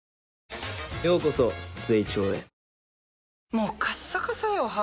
もうカッサカサよ肌。